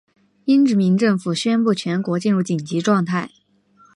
英殖民政府宣布全国进入紧急状态。